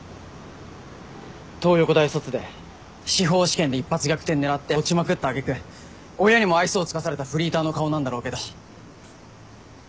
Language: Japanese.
東横大卒で司法試験で一発逆転狙って落ちまくった揚げ句親にも愛想尽かされたフリーターの顔なんだろうけど。